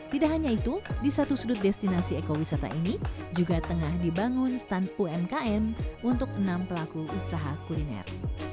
tidak hanya itu di satu sudut destinasi ekowisata ini juga tengah dibangun stand umkm untuk enam pelaku usaha kuliner